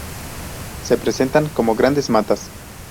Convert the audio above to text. Se presentan como grandes matas.